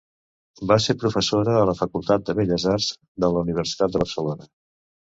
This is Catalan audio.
Va ser professora a la Facultat de Belles Arts de la Universitat de Barcelona.